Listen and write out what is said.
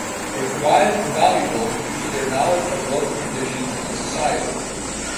They provided invaluable due to their knowledge of local conditions and society.